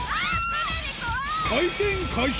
回転開始